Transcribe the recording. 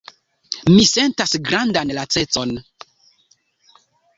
Mi sentas grandan lacecon.“